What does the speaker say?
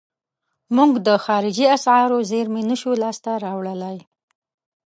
موږ د خارجي اسعارو زیرمې نشو لاس ته راوړلای.